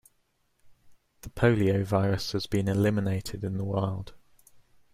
The poliovirus has been eliminated in the wild.